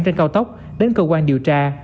trên cao tốc đến cơ quan điều tra